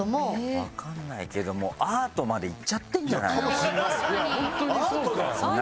わかんないけどもアートまでいっちゃってるんじゃないの？かもしれないよ。